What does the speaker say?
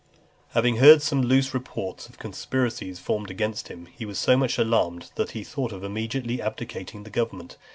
XXXVI. Having heard some loose reports of conspiracies formed against him, he was so much alarmed, that he thought of immediately abdicating the government.